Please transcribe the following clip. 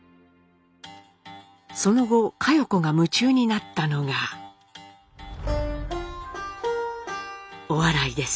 その後佳代子が夢中になったのがお笑いです。